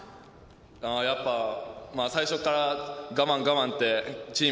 やっぱ、最初から我慢、我慢ってチーム